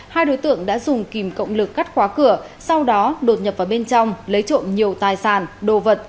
hai đối tượng đã dùng kìm cộng lực cắt khóa cửa sau đó đột nhập vào bên trong lấy trộm nhiều tài sản đồ vật